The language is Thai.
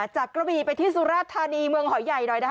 กระบีไปที่สุราชธานีเมืองหอยใหญ่หน่อยนะคะ